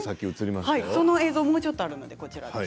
その映像もちょっとあります。